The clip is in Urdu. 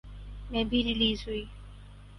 میں بھی ریلیز ہوئی